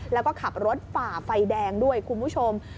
แล้วก็ขับรถฝ่าไฟแดงด้วยคุณผู้ชม